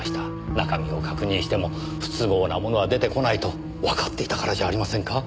中身を確認しても不都合なものは出てこないとわかっていたからじゃありませんか？